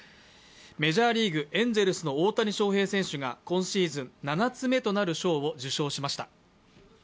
メジャーリーグ、エンゼルスの大谷翔平選手が今シーズン７つ目となる賞を受賞しました。